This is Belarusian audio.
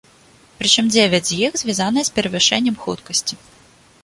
Прычым дзевяць з іх звязаныя з перавышэннем хуткасці.